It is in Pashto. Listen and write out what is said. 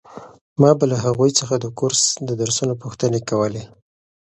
ما به له هغوی څخه د کورس د درسونو پوښتنې کولې.